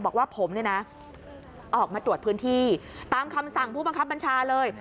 บอกว่าผมเนี่ยนะออกมาตรวจพื้นที่ตามคำสั่งผู้บังคับบัญชาเลย